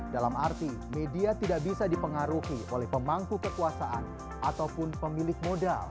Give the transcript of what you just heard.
dalam arti media tidak bisa dipengaruhi oleh pemangku kekuasaan ataupun pemilik modal